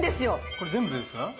これ全部でですか？